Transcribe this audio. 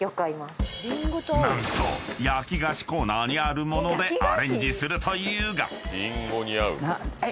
［何と焼き菓子コーナーにある物でアレンジするというが］